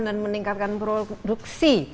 dan meningkatkan produksi